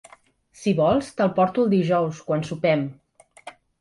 Si vols te'l porto el dijous, quan sopem.